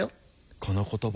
この言葉。